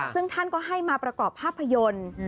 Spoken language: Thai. ซึ่งท่านก็ให้มาประกอบภาพยนตร์